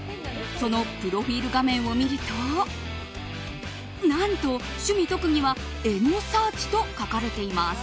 そのプロフィール画面を見ると何と趣味・特技はエゴサーチと書かれています。